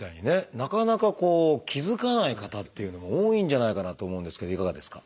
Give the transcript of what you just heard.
なかなか気付かない方っていうのも多いんじゃないかなと思うんですけどいかがですか？